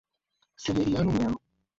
Severiano Melo